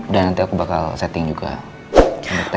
dan nanti aku bakal setting juga timernya